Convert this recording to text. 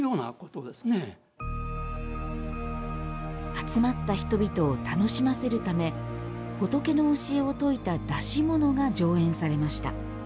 集まった人々を楽しませるため仏の教えを説いた出し物が上演されました。